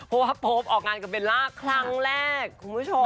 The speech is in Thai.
เพราะว่าโป๊ปออกงานกับเบลล่าครั้งแรกคุณผู้ชม